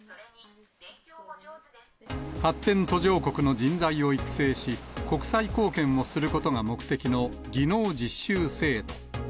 発展途上国の人材を育成し、国際貢献をすることが目的の技能実習制度。